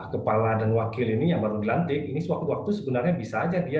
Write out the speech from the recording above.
kepala dan wakil yang baru dilantik everlasting tapi saya dochter juga